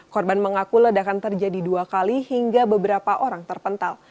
korban mengaku ledakan terjadi dua kali hingga beberapa orang terpental